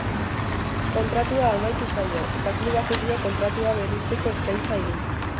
Kontratua amaitu zaio, eta klubak ez dio kontratua berritzeko eskaintza egin.